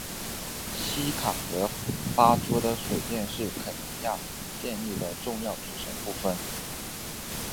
锡卡河发出的水电是肯尼亚电力的重要组成部分。